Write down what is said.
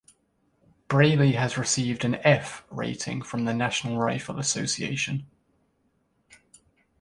Braley has received an "F" rating from the National Rifle Association.